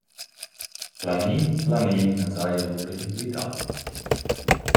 Planin planin as haja lura invlidà.